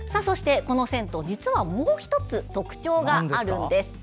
そして、この銭湯実はもう１つ特徴があるんです。